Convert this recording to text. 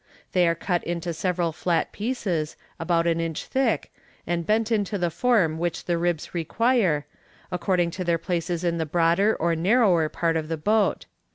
They are cut into several flat pieces, about an inch thick, and bent into the form which the ribs require, according to their places in the broader or narrower part of the boat.